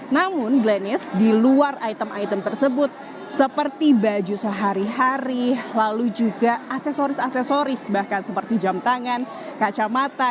namun glennish di luar item item tersebut seperti baju sehari hari lalu juga aksesoris aksesoris bahkan seperti jam tangan kacamata